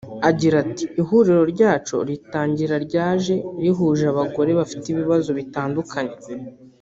Agira ati “Ihuriro ryacu ritangira ryari rihuje abagore bafite ibibazo bitandukanye